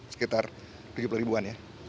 sekitar tujuh puluh ribuan ya